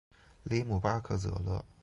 里姆巴克泽勒。